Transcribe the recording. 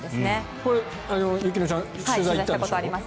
これ雪乃さん取材に行ったんでしょ？